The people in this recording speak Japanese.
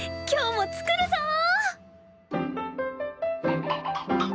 今日も作るぞ！